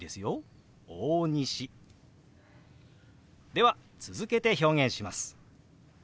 では続けて表現します。